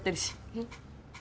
えっ。